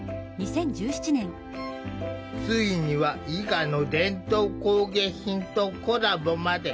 ついには伊賀の伝統工芸品とコラボまで。